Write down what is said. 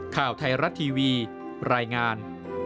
ข่าวไทยรัฐทีวีรายงาน